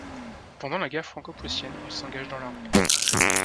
Pendant la guerre franco-prussienne, il s'engage dans l'armée.